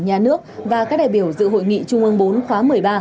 nhà nước và các đại biểu dự hội nghị chung mương bốn khóa một mươi ba